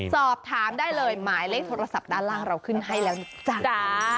สอบถามได้เลยหมายเลขโทรศัพท์ด้านล่างเราขึ้นให้แล้วนะจ๊ะ